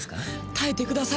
堪えてください